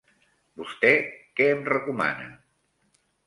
Vostè què em recomana?